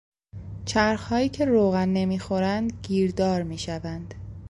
چرخهایی که روغن نمیخورند گیردار میشوند.